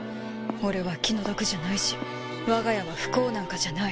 俺は気の毒じゃないし我が家は不幸なんかじゃない。